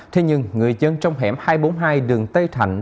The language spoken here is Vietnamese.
thế nhưng người dân trong hẻm hai trăm bốn mươi hai đường tây thạnh